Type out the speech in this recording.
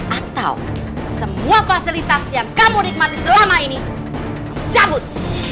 atau semua fasilitas yang kamu nikmati selama ini cabut